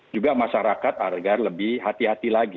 juga masyarakat agar lebih hati hati lagi